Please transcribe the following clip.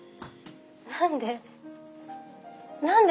何で？